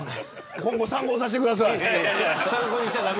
今後参考にさせてください。